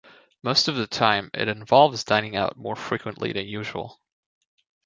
Most of the time it involves dining out more frequently than usual.